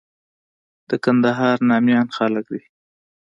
د کندهار ناميان خلک دي.